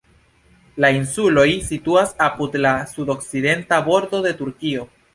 La insuloj situas apud la sudokcidenta bordo de Turkio.